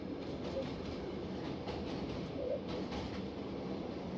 মুক্তিযুদ্ধকালে ধ্বংসস্তূপে পরিণত হওয়া সুনামগঞ্জের প্রত্যন্ত অঞ্চল শাল্লা এলাকায় কাজ শুরু করেন।